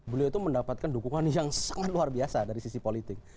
beliau itu mendapatkan dukungan yang sangat luar biasa dari sisi politik